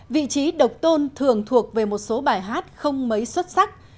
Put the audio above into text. vị trí độc tôn thường thuộc về một số bài hát không mấy xuất sắc